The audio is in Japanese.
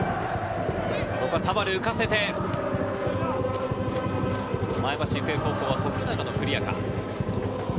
ここは田原浮かせて、前橋育英高校はクリアか。